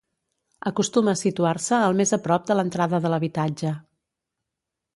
Acostuma a situar-se el més a prop de l'entrada de l'habitatge.